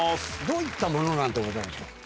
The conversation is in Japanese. どういったものなんでございましょう？